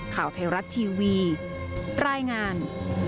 ข่าวไทยรัฐทีวีรายงาน